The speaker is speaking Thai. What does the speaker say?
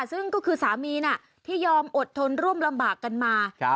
ซึ่งก็คือสามีที่ยอมอดทนร่วมลำบากกันมา